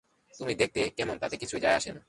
তুমি দেখতে কেমন তাতে কিছুই যায় আসে না।